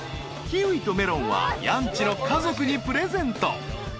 ［キウイとメロンはやんちの家族にプレゼント］